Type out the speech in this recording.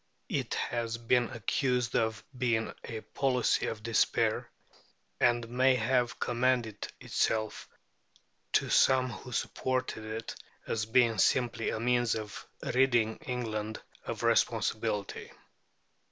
It has been accused of being a policy of despair; and may have commended itself to some who supported it as being simply a means of ridding England of responsibility.